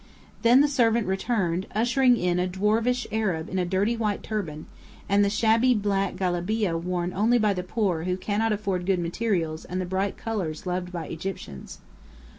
Then the servant returned, ushering in a dwarfish Arab in a dirty white turban, and the shabby black galabeah worn only by the poor who cannot afford good materials and the bright colours loved by Egyptians.